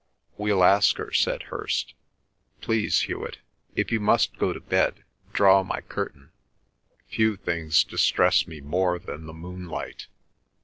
"We'll ask her," said Hirst. "Please, Hewet, if you must go to bed, draw my curtain. Few things distress me more than the moonlight."